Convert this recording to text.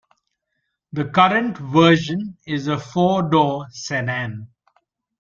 The current version is a four-door sedan.